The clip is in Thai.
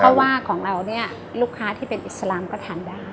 เพราะว่าของเราเนี่ยลูกค้าที่เป็นอิสลามก็ทานได้